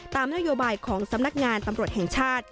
ตามนโยบายของสำนักงานตำรวจแห่งชาติ